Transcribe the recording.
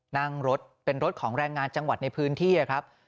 นั่งรถเป็นรถของแรงงานจังหวัดในพื้นที่ครับ